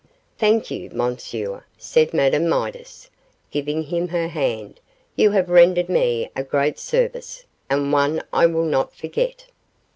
'Thank you, Monsieur,' said Madame Midas, giving him her hand; 'you have rendered me a great service, and one I will not forget.